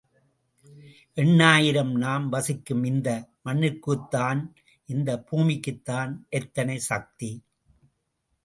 எண்ணாயிரம் நாம் வசிக்கும் இந்த மண்ணிற்குத்தான், இந்த பூமிக்குத்தான் எத்தனை சக்தி!